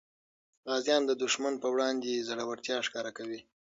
غازیان د دښمن په وړاندې زړورتیا ښکاره کوي.